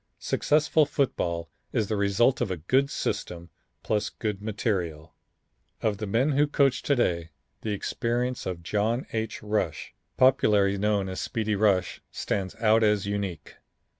Successful football is the result of a good system, plus good material. Of the men who coach to day, the experience of John H. Rush, popularly known as Speedy Rush, stands out as unique.